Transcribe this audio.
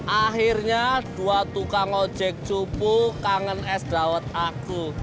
akhirnya dua tukang ojek cupu kangen es dawet aku